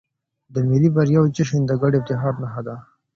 د ملي بریاوو جشن د ګډ افتخار نښه ده.